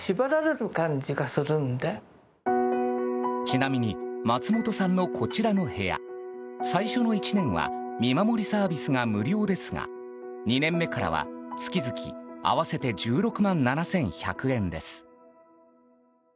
ちなみに松本さんのこちらの部屋最初の１年は見守りサービスが無料ですが２年目からは月々合わせて１６万７１００円です。